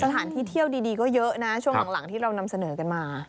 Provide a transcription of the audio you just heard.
สถานที่เที่ยวดีก็เยอะนะช่วงหลังที่เรานำเสนอกันมา